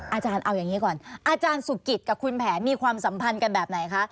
อาจารย์เอาอย่างนี้ก่อนอาจารย์สุกิตกับคุณแผนมีความสัมพันธ์กันแบบไหนคะ